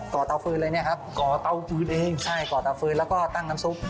ก่อเตาฟื้นเลยเนี่ยครับใช่ก่อเตาฟื้นแล้วก็ตั้งน้ำซุป